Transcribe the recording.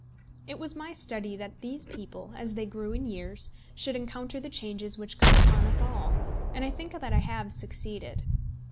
It was my study that these people, as they grew in years, should encounter the changes which come upon us all; and I think that I have succeeded.